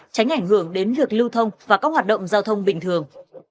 tránh ảnh hưởng đến việc lưu thông và các hoạt động giao thông bình thường